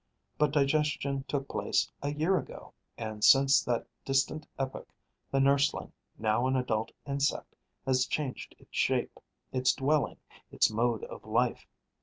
But digestion took place a year ago; and since that distant epoch, the nurseling, now an adult insect, has changed its shape, its dwelling, its mode of life.